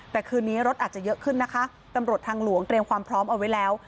แต่คืนนี้รถอาจจะเยอะขึ้นนะคะตำรวจทางหลวงเตรียมความพร้อมเอาไว้แล้ว